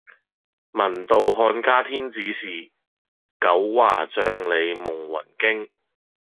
聞道漢家天子使，九華帳里夢魂驚。